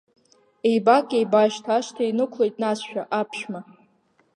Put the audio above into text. Еибак-еибашьҭ, ашҭа инықәлоит насшәа, аԥшәма!